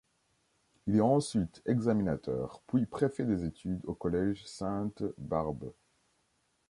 Il est ensuite examinateur, puis préfet des études au collège Sainte-Barbe.